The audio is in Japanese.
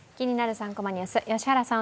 ３コマニュース」、良原さん